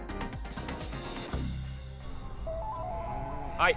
はい。